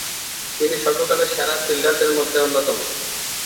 তিনি সর্বকালের সেরা ফিল্ডারদের মধ্যে অন্যতম।